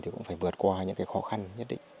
thì cũng phải vượt qua những cái khó khăn nhất định